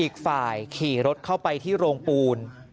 อีกฝ่ายขี่รถเข้าไปที่โรงปูน